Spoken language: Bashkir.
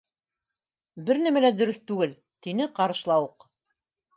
— Бер нәмә лә дөрөҫ түгел, —тине Ҡарышлауыҡ.